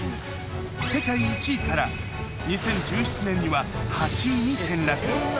世界１位から２０１７年には８位に転落